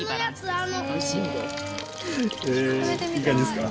へえいい感じですか？